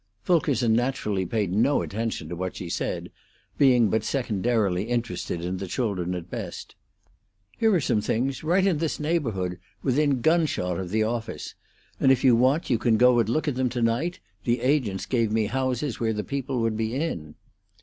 Fulkerson naturally paid no attention to what she said, being but secondarily interested in the children at the best. "Here are some things right in this neighborhood, within gunshot of the office, and if you want you can go and look at them to night; the agents gave me houses where the people would be in."